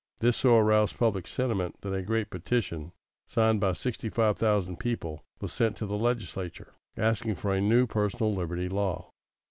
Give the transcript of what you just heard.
This so aroused public sentiment that a great petition, signed by sixty five thousand people, was sent to the legislature, asking for a new personal liberty law.